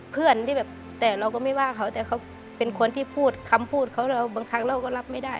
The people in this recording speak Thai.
เพื่อนที่แบบแต่เราก็ไม่ว่าเขาแต่เขาเป็นคนที่พูดคำพูดเขาเราบางครั้งเราก็รับไม่ได้